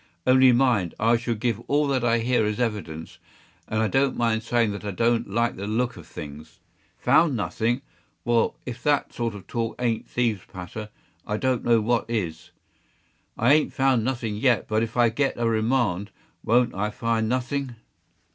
Only mind, I shall give all that I hear as evidence; and I don’t mind saying that I don’t like the look of things. ‘Found nothing!’ well, if that sort of talk ain’t thieves’ patter, I don’t know what is. I ain’t found nothing yet; but if I get a remand, won’t I find nothing!